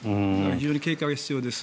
非常に警戒が必要です。